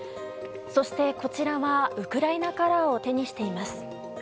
そして、こちらはウクライナカラーを手にしています。